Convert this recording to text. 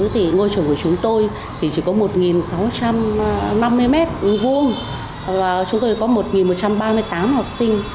thì ngôi trường của chúng tôi thì chỉ có một sáu trăm năm mươi m hai và chúng tôi có một một trăm ba mươi tám học sinh